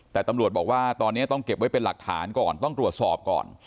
แต่ตำรวจบอกว่าตอนนี้ต้องเก็บไว้เป็นหลักฐานก่อนต้องตรวจสอบก่อน